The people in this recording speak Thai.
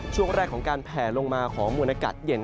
ช่วงแรกของการแผ่ลงมาของมวลอากาศเย็น